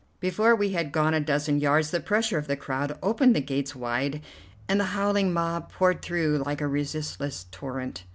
Before we had gone a dozen yards the pressure of the crowd opened the gates wide, and the howling mob poured through like a resistless torrent.